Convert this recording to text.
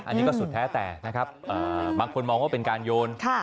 อันนี้ก็สุดแท้แต่นะครับบางคนมองว่าเป็นการโยน